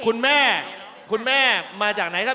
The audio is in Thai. คุณแม่คุณแม่มาจากไหนครับ